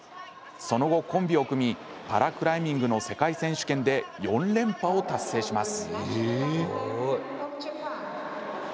その後、コンビを組みパラクライミングの世界選手権で４連覇を達成します。